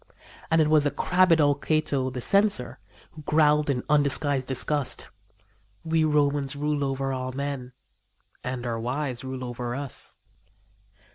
And it was the crabbed old Cato, the Censor, who growled in undisguised disgust: "We Romans rule over all men and our wives rule over us."